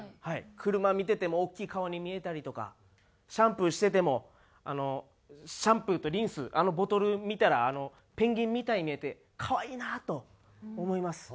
車見てても大きい顔に見えたりとかシャンプーしててもシャンプーとリンスあのボトル見たらペンギンみたいに見えて可愛いなと思います。